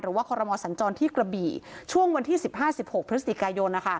คอรมอสัญจรที่กระบี่ช่วงวันที่๑๕๑๖พฤศจิกายน